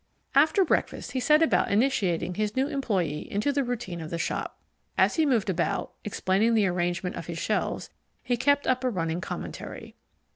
After breakfast he set about initiating his new employee into the routine of the shop. As he moved about, explaining the arrangement of his shelves, he kept up a running commentary.